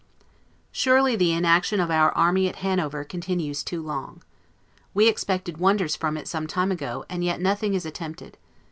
Surely the inaction of our army at Hanover continues too long. We expected wonders from it some time ago, and yet nothing is attempted.